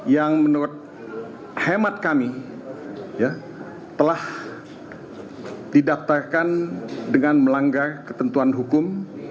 yang menurut hemat kami telah didaftarkan dengan melanggar ketentuan hukum